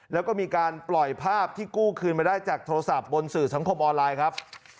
แล้วก็มีการปล่อยภาพที่กู้คืนมาได้จากโทรศัพท์บนสื่อสังคมออนไลน์ครับ